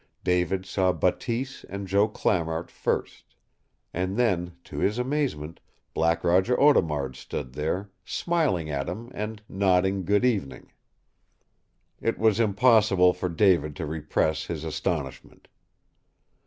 David saw Bateese and Joe Clamart first. And then, to his amazement, Black Roger Audemard stood there, smiling at him and nodding good evening. It was impossible for David to repress his astonishment.